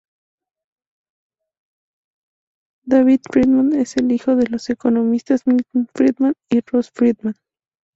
David Friedman es el hijo de los economistas Milton Friedman y Rose Friedman.